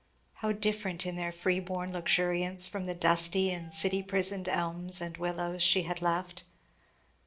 How different in their free born luxuriance from the dusty and city prisoned elms and willows she had left.